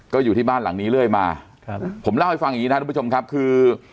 ก็อยู่ที่บ้านหลังนี้เรื่อยมาครับผมเล่าให้ฟังอย่างงี้นะครับทุกผู้ชมครับคือ